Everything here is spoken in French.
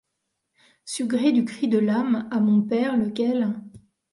Sut gré du cri de l’âme à mon père, lequel